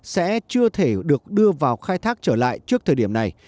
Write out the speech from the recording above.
sẽ chưa thể được đưa vào khai thác trở lại trước thời điểm này